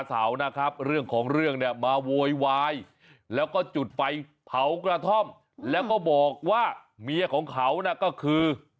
ข้างด้านข้างจุดไฟเผากระท่อมแล้วก็บอกว่ามีภรรยาของเขาน่ะก็คือ